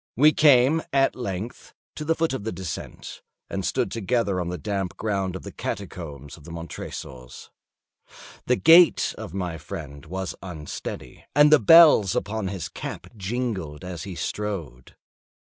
We came at length to the foot of the descent, and stood together on the damp ground of the catacombs of the Montresors. The gait of my friend was unsteady, and the bells upon his cap jingled as he strode.